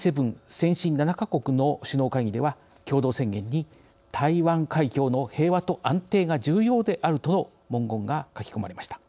先進７か国の首脳会議では共同宣言に台湾海峡の平和と安定が重要であるとの文言が書き込まれました。